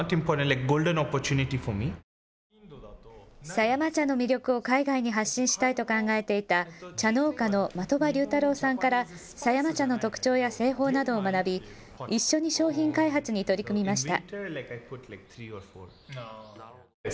狭山茶の魅力を海外に発信したいと考えていた茶農家の的場龍太郎さんから狭山茶の特徴や製法などを学び一緒に商品開発に取り組みました。